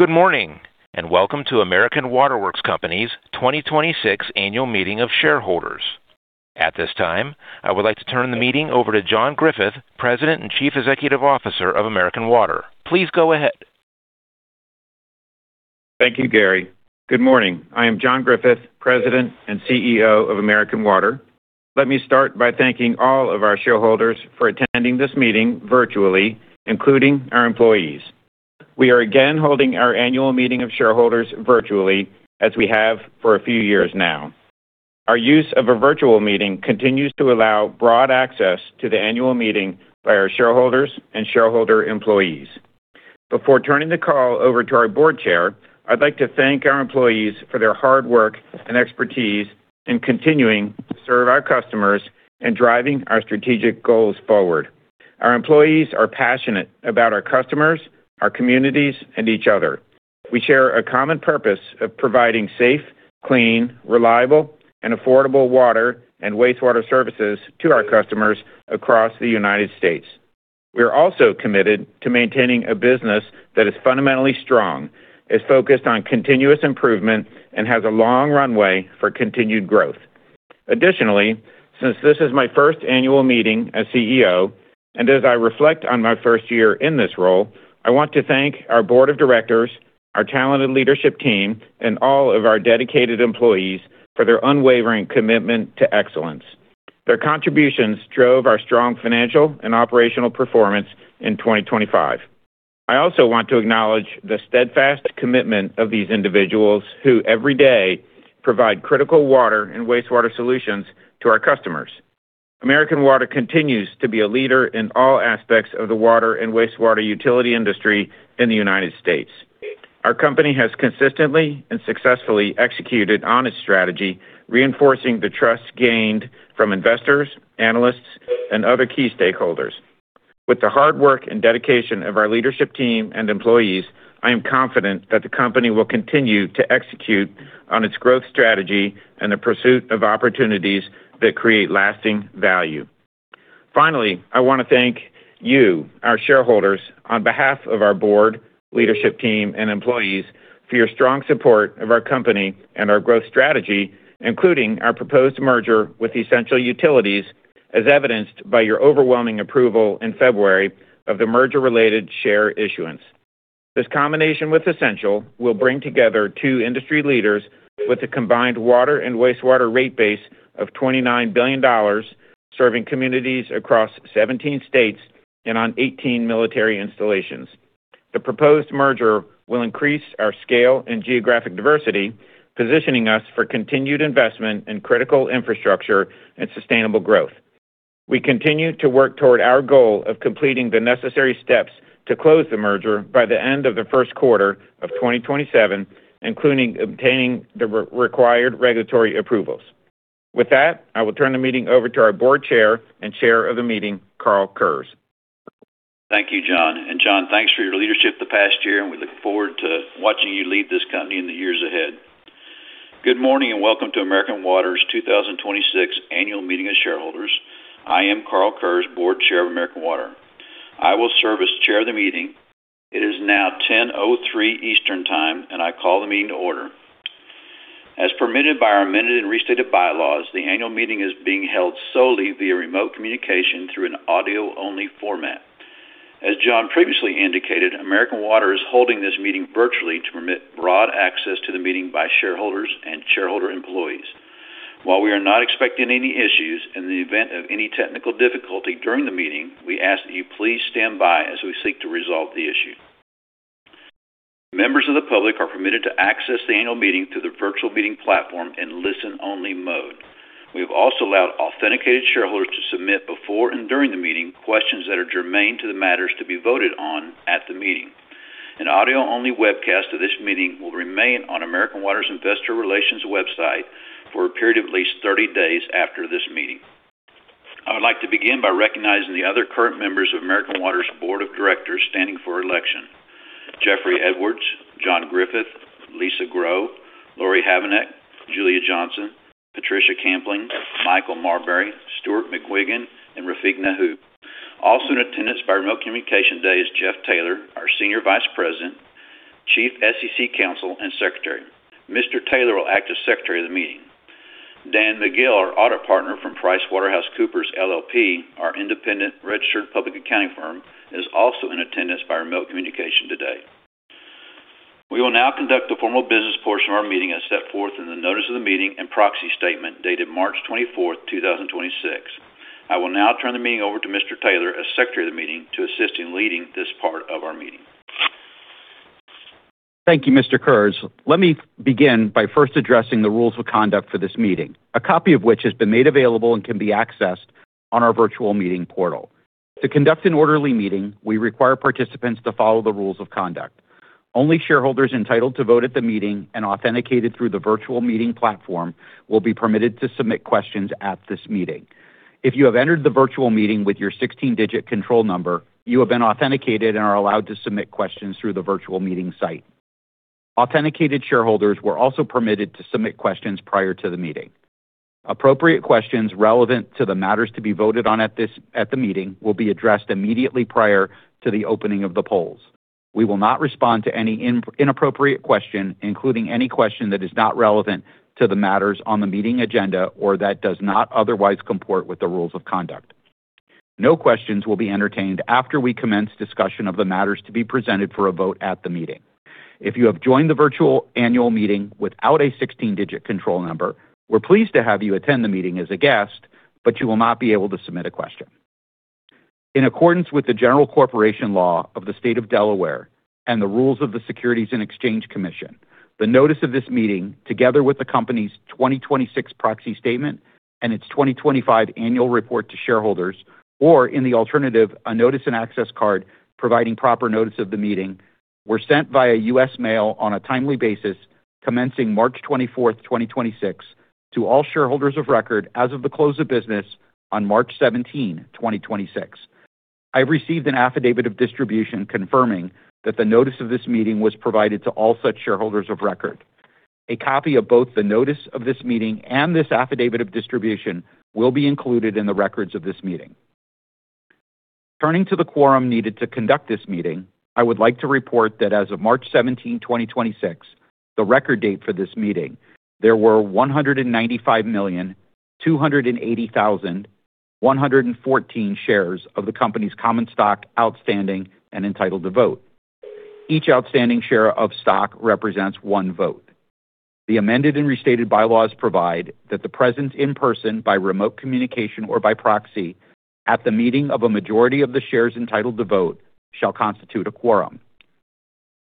Good morning, welcome to American Water Works Company's 2026 Annual Meeting of Shareholders. At this time, I would like to turn the meeting over to John Griffith, President and Chief Executive Officer of American Water. Please go ahead. Thank you, Gary. Good morning. I am John Griffith, President and CEO of American Water. Let me start by thanking all of our shareholders for attending this meeting virtually, including our employees. We are again holding our annual meeting of shareholders virtually, as we have for a few years now. Our use of a virtual meeting continues to allow broad access to the annual meeting by our shareholders and shareholder-employees. Before turning the call over to our Board Chair, I'd like to thank our employees for their hard work and expertise in continuing to serve our customers and driving our strategic goals forward. Our employees are passionate about our customers, our communities, and each other. We share a common purpose of providing safe, clean, reliable, and affordable water and wastewater services to our customers across the U.S. We are also committed to maintaining a business that is fundamentally strong, is focused on continuous improvement, and has a long runway for continued growth. Additionally, since this is my first annual meeting as CEO and as I reflect on my first year in this role, I want to thank our board of directors, our talented leadership team, and all of our dedicated employees for their unwavering commitment to excellence. Their contributions drove our strong financial and operational performance in 2025. I also want to acknowledge the steadfast commitment of these individuals who every day provide critical water and wastewater solutions to our customers. American Water continues to be a leader in all aspects of the water and wastewater utility industry in the United States. Our company has consistently and successfully executed on its strategy, reinforcing the trust gained from investors, analysts, and other key stakeholders. With the hard work and dedication of our leadership team and employees, I am confident that the company will continue to execute on its growth strategy and the pursuit of opportunities that create lasting value. Finally, I wanna thank you, our shareholders, on behalf of our board, leadership team, and employees for your strong support of our company and our growth strategy, including our proposed merger with Essential Utilities, as evidenced by your overwhelming approval in February of the merger-related share issuance. This combination with Essential will bring together two industry leaders with a combined water and wastewater rate base of $29 billion, serving communities across 17 states and on 18 military installations. The proposed merger will increase our scale and geographic diversity, positioning us for continued investment in critical infrastructure and sustainable growth. We continue to work toward our goal of completing the necessary steps to close the merger by the end of the first quarter of 2027, including obtaining the required regulatory approvals. With that, I will turn the meeting over to our Board Chair and Chair of the Meeting, Karl Kurz. Thank you, John. John, thanks for your leadership the past year, and we look forward to watching you lead this company in the years ahead. Good morning and welcome to American Water's 2026 Annual Meeting of Shareholders. I am Karl Kurz, board chair of American Water. I will serve as chair of the meeting. It is now 10:03 A.M. Eastern Time, and I call the meeting to order. As permitted by our amended and restated bylaws, the annual meeting is being held solely via remote communication through an audio-only format. As John previously indicated, American Water is holding this meeting virtually to permit broad access to the meeting by shareholders and shareholder-employees. While we are not expecting any issues, in the event of any technical difficulty during the meeting, we ask that you please stand by as we seek to resolve the issue. Members of the public are permitted to access the annual meeting through the virtual meeting platform in listen-only mode. We have also allowed authenticated shareholders to submit before and during the meeting questions that are germane to the matters to be voted on at the meeting. An audio-only webcast of this meeting will remain on American Water's investor relations website for a period of at least 30 days after this meeting. I would like to begin by recognizing the other current members of American Water's Board of Directors standing for election. Jeffrey Edwards, John Griffith, Lisa Grow, Laurie Havanec, Julia Johnson, Patricia Kampling, Michael Marberry, Stuart McGuigan, and Raffiq Nathoo. Also in attendance by remote communication today is Jeffrey Taylor, our Senior Vice President, Chief SEC Counsel and Secretary. Mr. Taylor will act as Secretary of the meeting. Dan McGill, our audit partner from PricewaterhouseCoopers LLP, our independent registered public accounting firm, is also in attendance by remote communication today. We will now conduct the formal business portion of our meeting as set forth in the notice of the meeting and proxy statement dated March 24, 2026. I will now turn the meeting over to Mr. Taylor, as secretary of the meeting, to assist in leading this part of our meeting. Thank you, Mr. Kurz. Let me begin by first addressing the rules of conduct for this meeting, a copy of which has been made available and can be accessed on our virtual meeting portal. To conduct an orderly meeting, we require participants to follow the rules of conduct. Only shareholders entitled to vote at the meeting and authenticated through the virtual meeting platform will be permitted to submit questions at this meeting. If you have entered the virtual meeting with your 16-digit control number, you have been authenticated and are allowed to submit questions through the virtual meeting site. Authenticated shareholders were also permitted to submit questions prior to the meeting. Appropriate questions relevant to the matters to be voted on at the meeting will be addressed immediately prior to the opening of the polls. We will not respond to any inappropriate question, including any question that is not relevant to the matters on the meeting agenda or that does not otherwise comport with the rules of conduct. No questions will be entertained after we commence discussion of the matters to be presented for a vote at the meeting. If you have joined the virtual annual meeting without a 16-digit control number, we're pleased to have you attend the meeting as a guest, but you will not be able to submit a question. In accordance with the General Corporation Law of the State of Delaware and the rules of the Securities and Exchange Commission, the notice of this meeting, together with the company's 2026 proxy statement and its 2025 annual report to shareholders, or in the alternative, a notice and access card providing proper notice of the meeting, were sent via U.S. mail on a timely basis commencing March 24, 2026 to all shareholders of record as of the close of business on March 17, 2026. I received an affidavit of distribution confirming that the notice of this meeting was provided to all such shareholders of record. A copy of both the notice of this meeting and this affidavit of distribution will be included in the records of this meeting. Turning to the quorum needed to conduct this meeting, I would like to report that as of March 17, 2026, the record date for this meeting, there were 195,280,114 shares of the company's common stock outstanding and entitled to vote. Each outstanding share of stock represents one vote. The amended and restated bylaws provide that the presence in person by remote communication or by proxy at the meeting of a majority of the shares entitled to vote shall constitute a quorum.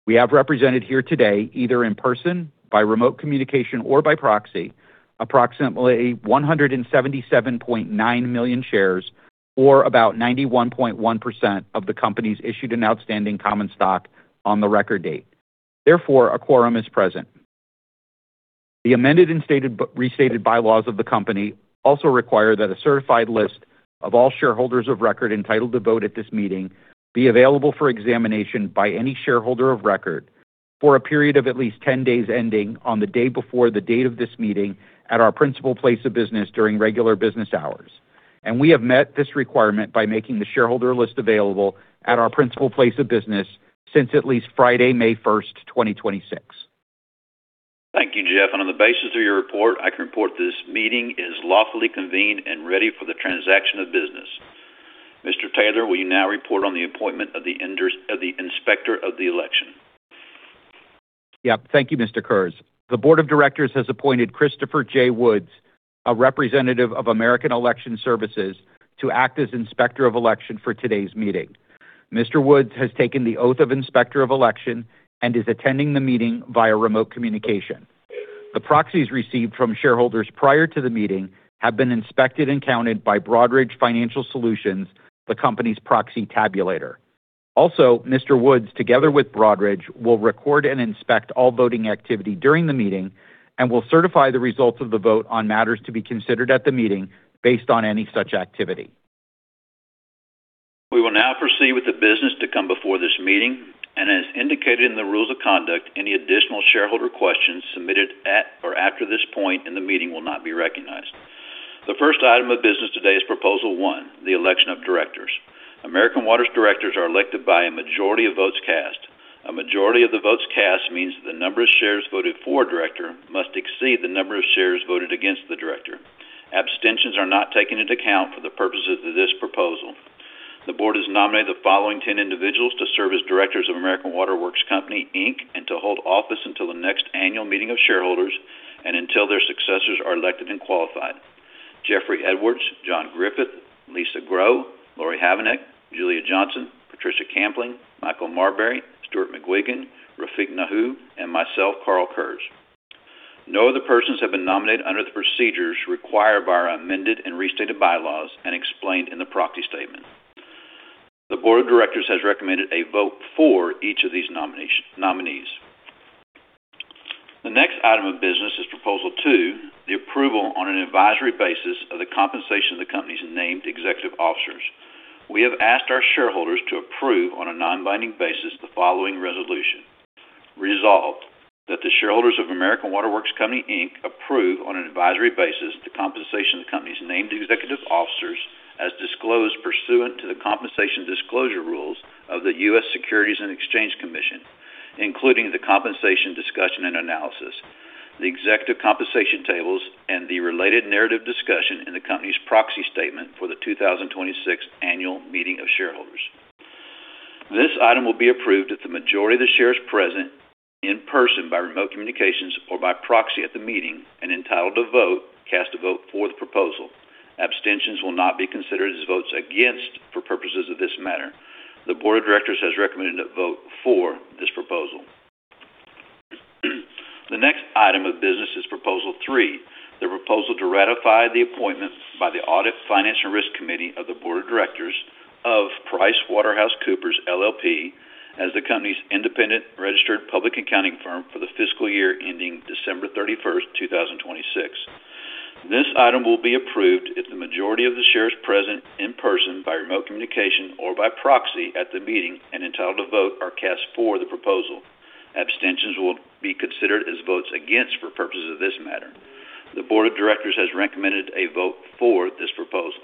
We have represented here today, either in person, by remote communication or by proxy, approximately 177.9 million shares, or about 91.1% of the company's issued and outstanding common stock on the record date. Therefore, a quorum is present. The amended and restated bylaws of the company also require that a certified list of all shareholders of record entitled to vote at this meeting be available for examination by any shareholder of record for a period of at least 10 days ending on the day before the date of this meeting at our principal place of business during regular business hours. We have met this requirement by making the shareholder list available at our principal place of business since at least Friday, May 1st, 2026. Thank you, Jeff. On the basis of your report, I can report this meeting is lawfully convened and ready for the transaction of business. Mr. Taylor, will you now report on the appointment of the inspector of the election? Yeah. Thank you, Mr. Kurz. The board of directors has appointed Christopher J. Woods, a representative of American Election Services, to act as Inspector of Election for today's meeting. Mr. Woods has taken the oath of Inspector of Election and is attending the meeting via remote communication. The proxies received from shareholders prior to the meeting have been inspected and counted by Broadridge Financial Solutions, the company's proxy tabulator. Also, Mr. Woods, together with Broadridge, will record and inspect all voting activity during the meeting and will certify the results of the vote on matters to be considered at the meeting based on any such activity. We will now proceed with the business to come before this meeting. As indicated in the rules of conduct, any additional shareholder questions submitted at or after this point in the meeting will not be recognized. The first item of business today is proposal one, the election of directors. American Water's directors are elected by a majority of votes cast. A majority of the votes cast means the number of shares voted for a director must exceed the number of shares voted against the director. Abstentions are not taken into account for the purposes of this proposal. The board has nominated the following 10 individuals to serve as directors of American Water Works Company, Inc. and to hold office until the next annual meeting of shareholders and until their successors are elected and qualified. Jeffrey Edwards, John Griffith, Lisa Grow, Laurie Havanec, Julia Johnson, Patricia Kampling, Michael Marberry, Stuart McGuigan, Raffiq Nathoo, and myself, Karl Kurz. No other persons have been nominated under the procedures required by our amended and restated bylaws and explained in the proxy statement. The Board of Directors has recommended a vote for each of these nominees. The next item of business is proposal two, the approval on an advisory basis of the compensation of the company's named executive officers. We have asked our shareholders to approve on a non-binding basis the following resolution. Resolved, that the shareholders of American Water Works Company, Inc. approve on an advisory basis the compensation of the company's named executive officers as disclosed pursuant to the compensation disclosure rules of the U.S. Securities and Exchange Commission, including the compensation discussion and analysis, the executive compensation tables, and the related narrative discussion in the company's proxy statement for the 2026 annual meeting of shareholders. This item will be approved if the majority of the shares present in person by remote communications or by proxy at the meeting and entitled to vote cast a vote for the proposal. Abstentions will not be considered as votes against for purposes of this matter. The Board of Directors has recommended a vote for this proposal. The next item of business is Proposal three, the proposal to ratify the appointment by the Audit, Finance, and Risk Committee of the Board of Directors of PricewaterhouseCoopers, LLP, as the company's independent registered public accounting firm for the fiscal year ending December 31, 2026. This item will be approved if the majority of the shares present in person by remote communication or by proxy at the meeting and entitled to vote are cast for the proposal. Abstentions will be considered as votes against for purposes of this matter. The board of directors has recommended a vote for this proposal.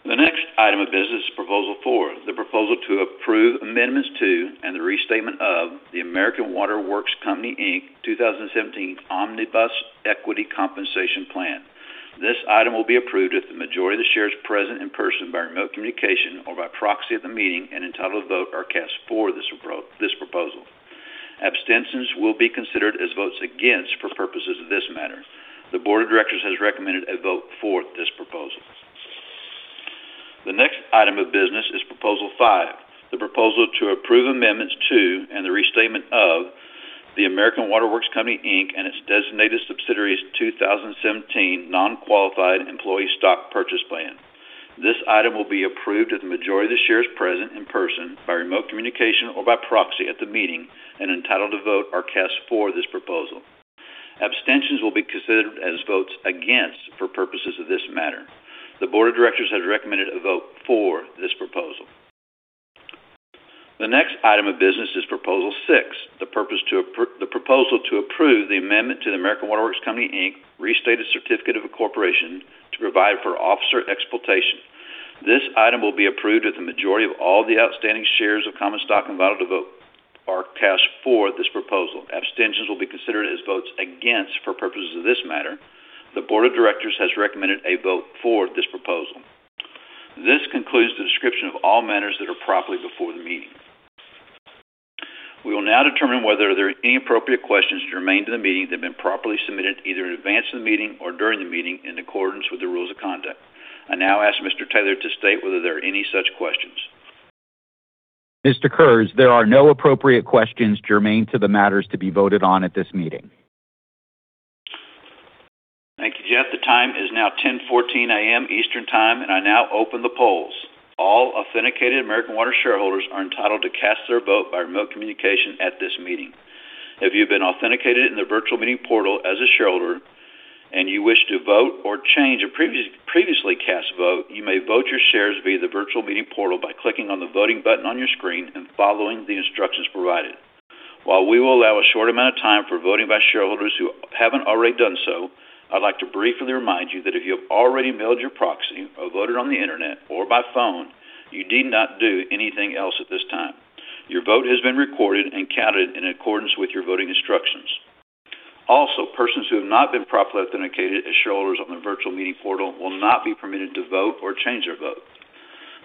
The next item of business is Proposal four, the proposal to approve amendments to, and the restatement of, the American Water Works Company, Inc. 2017 Omnibus Equity Compensation Plan. This item will be approved if the majority of the shares present in person by remote communication or by proxy at the meeting and entitled to vote are cast for this proposal. Abstentions will be considered as votes against for purposes of this matter. The board of directors has recommended a vote for this proposal. The next item of business is Proposal five, the proposal to approve amendments to, and the restatement of, the American Water Works Company, Inc. and its designated subsidiaries 2017 Non-Qualified Employee Stock Purchase Plan. This item will be approved if the majority of the shares present in person by remote communication or by proxy at the meeting and entitled to vote are cast for this proposal. Abstentions will be considered as votes against for purposes of this matter. The board of directors has recommended a vote for this proposal. The next item of business is Proposal six, the proposal to approve the amendment to the American Water Works Company, Inc. Restated Certificate of Incorporation to provide for officer exculpation. This item will be approved if the majority of all the outstanding shares of common stock entitled to vote are cast for this proposal. Abstentions will be considered as votes against for purposes of this matter. The board of directors has recommended a vote for this proposal. This concludes the description of all matters that are properly before the meeting. We will now determine whether there are any appropriate questions germane to the meeting that have been properly submitted either in advance of the meeting or during the meeting in accordance with the rules of conduct. I now ask Mr. Taylor to state whether there are any such questions. Mr. Kurz, there are no appropriate questions germane to the matters to be voted on at this meeting. Thank you, Jeff. The time is now 10:14 A.M. Eastern Time. I now open the polls. All authenticated American Water shareholders are entitled to cast their vote by remote communication at this meeting. If you have been authenticated in the virtual meeting portal as a shareholder and you wish to vote or change a previously cast vote, you may vote your shares via the virtual meeting portal by clicking on the voting button on your screen and following the instructions provided. While we will allow a short amount of time for voting by shareholders who haven't already done so, I'd like to briefly remind you that if you have already mailed your proxy or voted on the Internet or by phone, you need not do anything else at this time. Your vote has been recorded and counted in accordance with your voting instructions. Also, persons who have not been properly authenticated as shareholders on the virtual meeting portal will not be permitted to vote or change their vote.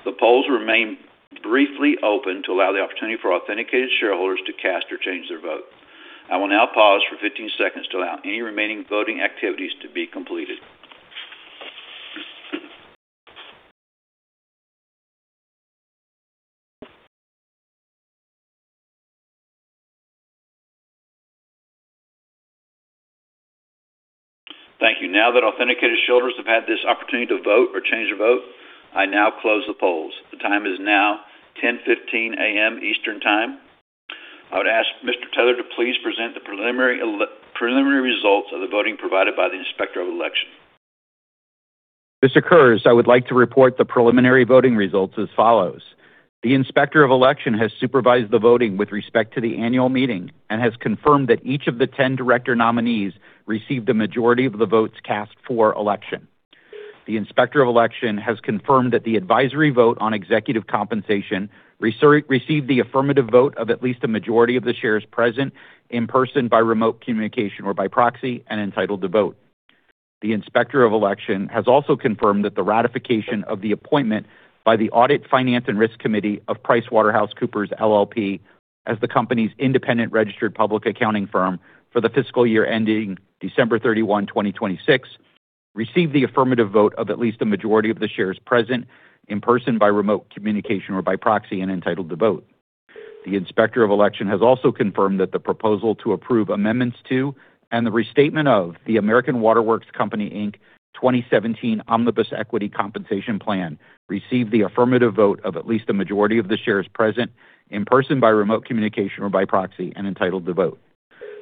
The polls will remain briefly open to allow the opportunity for authenticated shareholders to cast or change their vote. I will now pause for 15 seconds to allow any remaining voting activities to be completed. Thank you. Now that authenticated shareholders have had this opportunity to vote or change their vote, I now close the polls. The time is now 10:15 A.M. Eastern Time. I would ask Mr. Taylor to please present the preliminary results of the voting provided by the Inspector of Election. Mr. Kurz, I would like to report the preliminary voting results as follows: The Inspector of Election has supervised the voting with respect to the annual meeting and has confirmed that each of the 10 director nominees received a majority of the votes cast for election. The Inspector of Election has confirmed that the advisory vote on executive compensation received the affirmative vote of at least a majority of the shares present in person by remote communication or by proxy and entitled to vote. The Inspector of Election has also confirmed that the ratification of the appointment by the Audit, Finance and Risk Committee of PricewaterhouseCoopers LLP as the company's independent registered public accounting firm for the fiscal year ending December 31, 2026 received the affirmative vote of at least a majority of the shares present in person by remote communication or by proxy and entitled to vote. The Inspector of Election has also confirmed that the proposal to approve amendments to, and the restatement of, the American Water Works Company, Inc. 2017 Omnibus Equity Compensation Plan received the affirmative vote of at least a majority of the shares present in person by remote communication or by proxy and entitled to vote.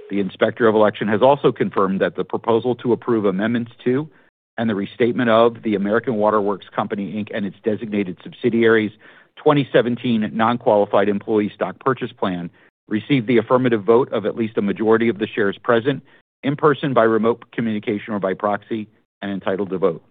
The Inspector of Election has also confirmed that the proposal to approve amendments to, and the restatement of, the American Water Works Company, Inc. and its designated subsidiaries 2017 Non-Qualified Employee Stock Purchase Plan received the affirmative vote of at least a majority of the shares present in person by remote communication or by proxy and entitled to vote.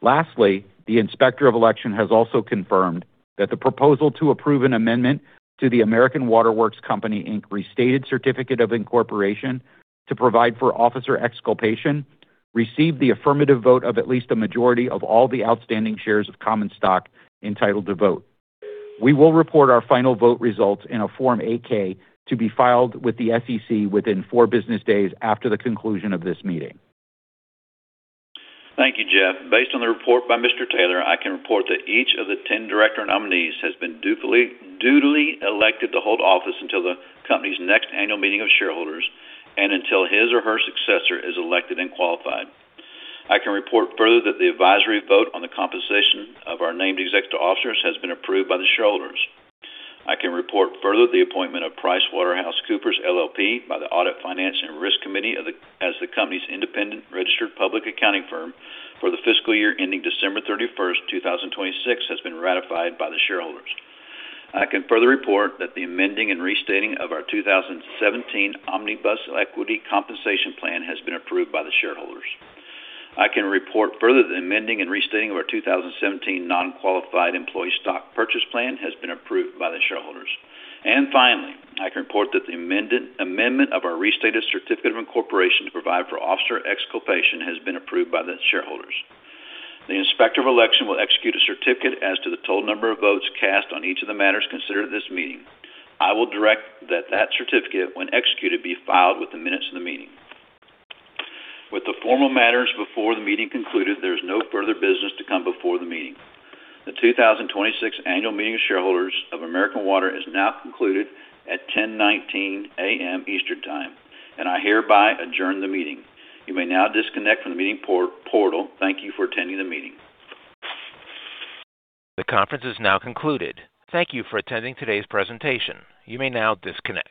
Lastly, the Inspector of Election has also confirmed that the proposal to approve an amendment to the American Water Works Company, Inc. Restated Certificate of Incorporation to provide for officer exculpation received the affirmative vote of at least a majority of all the outstanding shares of common stock entitled to vote. We will report our final vote results in a Form 8-K to be filed with the SEC within four business days after the conclusion of this meeting. Thank you, Jeff. Based on the report by Mr. Taylor, I can report that each of the 10 director nominees has been duly elected to hold office until the company's next annual meeting of shareholders and until his or her successor is elected and qualified. I can report further that the advisory vote on the compensation of our named executive officers has been approved by the shareholders. I can report further the appointment of PricewaterhouseCoopers LLP by the Audit, Finance and Risk Committee as the company's independent registered public accounting firm for the fiscal year ending December 31, 2026, has been ratified by the shareholders. I can further report that the amending and restating of our 2017 Omnibus Equity Compensation Plan has been approved by the shareholders. I can report further the amending and restating of our 2017 Non-Qualified Employee Stock Purchase Plan has been approved by the shareholders. Finally, I can report that the amendment of our Restated Certificate of Incorporation to provide for officer exculpation has been approved by the shareholders. The Inspector of Election will execute a certificate as to the total number of votes cast on each of the matters considered at this meeting. I will direct that that certificate, when executed, be filed with the minutes of the meeting. With the formal matters before the meeting concluded, there is no further business to come before the meeting. The 2026 Annual Meeting of Shareholders of American Water is now concluded at 10:19 A.M. Eastern Time, and I hereby adjourn the meeting. You may now disconnect from the meeting portal. Thank you for attending the meeting. The conference is now concluded. Thank you for attending today's presentation. You may now disconnect.